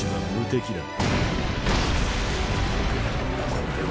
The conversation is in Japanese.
ここれは。